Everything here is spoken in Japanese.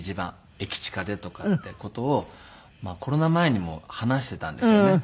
駅近でとかっていう事をコロナ前にも話していたんですよね。